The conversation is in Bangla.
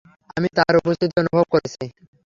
আমি তার উপস্থিতি অনুভব করেছি।